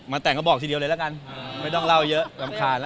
แต่งก็บอกทีเดียวเลยละกันไม่ต้องเล่าเยอะรำคาญแล้ว